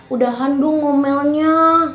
udah handuk ngomelnya